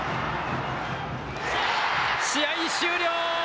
試合終了。